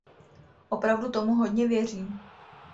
Opravdu tomu hodně věřím.